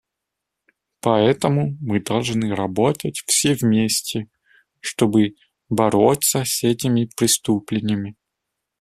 Поэтому мы должны работать все вместе, чтобы бороться с этими преступлениями.